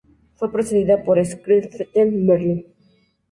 Fue precedida por "Schriften Berlin.